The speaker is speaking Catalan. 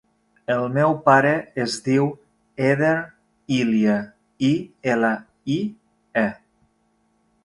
El meu pare es diu Eder Ilie: i, ela, i, e.